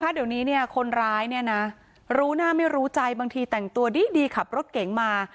เดี๋ยวนี้คนร้ายเนี่ยนะรู้หน้าไม่รู้ใจบางทีแต่งตัวดีขับรถเก๋งมา